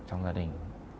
trong gia đình